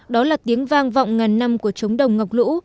đó là tiếng vang vọng ngàn năm của trống đồng ngọc lũ